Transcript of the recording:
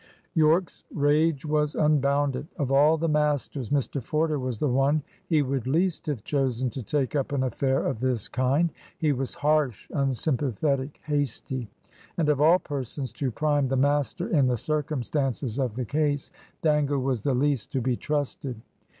Yorke's rage was unbounded. Of all the masters, Mr Forder was the one he would least have chosen to take up an affair of this kind. He was harsh, unsympathetic, hasty. And of all persons to prime the master in the circumstances of the case, Dangle was the least to be trusted.